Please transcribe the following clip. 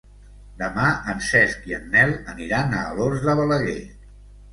Demà en Cesc i en Nel aniran a Alòs de Balaguer.